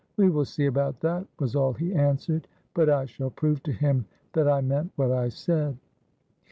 'We will see about that,' was all he answered, but I shall prove to him that I meant what I said."